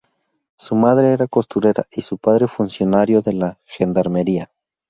Su madre era costurera y su padre funcionario de la gendarmería.